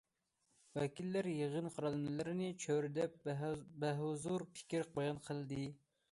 ۋەكىللەر يىغىن قارالمىلىرىنى چۆرىدەپ بەھۇزۇر پىكىر بايان قىلدى.